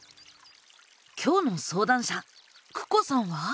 今日の相談者ＫＵＫＯさんは？